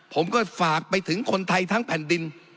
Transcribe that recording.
ผมก็ฝากไปถึงคนไทยทั้งแผ่นดิน